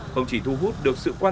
không chỉ thu hút được sự phát triển